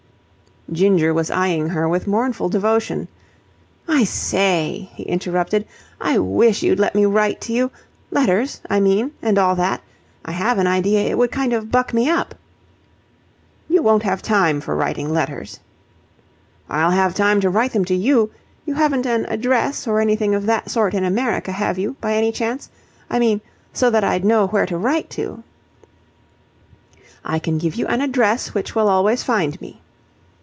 Ginger was eyeing her with mournful devotion. "I say," he interrupted, "I wish you'd let me write to you. Letters, I mean, and all that. I have an idea it would kind of buck me up." "You won't have time for writing letters." "I'll have time to write them to you. You haven't an address or anything of that sort in America, have you, by any chance? I mean, so that I'd know where to write to." "I can give you an address which will always find me."